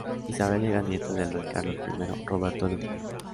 Isabel era nieta del rey Carlos I Roberto de Hungría.